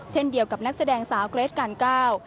เช่นเดียวกับนักแสดงสาวเกรทการเก้า